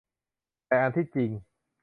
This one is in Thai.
แต่อันที่จริง